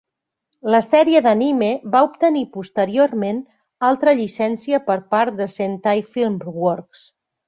La sèrie d'anime va obtenir posteriorment altra llicència per part de Sentai Filmworks.